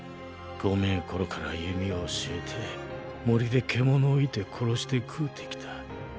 こめぇ頃から弓を教えて森で獣を射て殺して食うてきた。